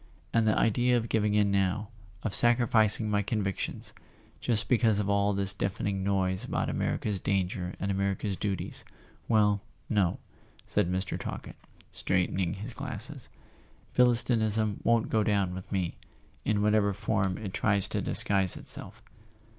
And the idea of giving in now, of sacrificing my convictions, just because of all this deafening noise about America's danger and America's duties—well, no," said Mr. Talkett, straightening his glasses, "Philis¬ tinism won't go down with me, in whatever form it tries to disguise itself."